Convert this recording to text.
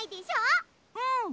うん！